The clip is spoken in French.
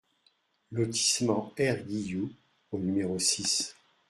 Lotissement R Guilloux au numéro six